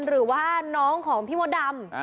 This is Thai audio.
หรือว่าน้องของพี่มดดำ